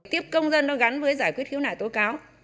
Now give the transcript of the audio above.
tiếp công dân nó gắn với giải quyết khiếu nại tố cáo